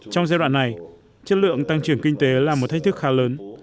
trong giai đoạn này chất lượng tăng trưởng kinh tế là một thách thức khá lớn